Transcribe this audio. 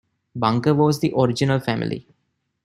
"Bunker" was the original family.